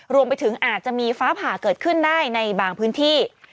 รวมไปถึงอาจจะมีฟ้าผ่าเกิดขึ้นได้ในบางพื้นที่